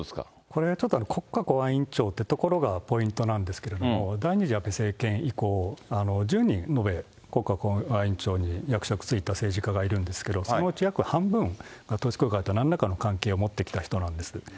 これはちょっと国家公安委員長ってところがポイントなんですけれども、第２次安倍政権以降、１０人、延べ国家公安委員長に、役職就いた政治家がいるんですけど、そのうち約半分が統一教会と何らかの関係を持ってきた人なんです。